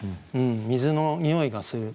水のにおいがする。